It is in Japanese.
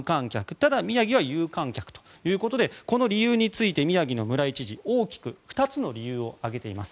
ただ、宮城は有観客ということでこの理由について宮城の村井知事は大きく２つの理由を挙げています。